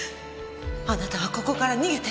あなたはここから逃げて！